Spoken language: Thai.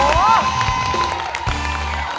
โอ้โห